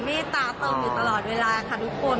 มีดตาตึงอยู่ตลอดเวลาค่ะทุกคน